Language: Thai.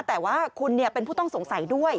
แต่ว่าคุณเป็นผู้ต้องสงสัยด้วย